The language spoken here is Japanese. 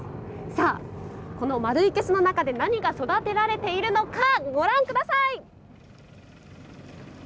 さあ、この丸いいけすの中で何が育てられているのかご覧ください。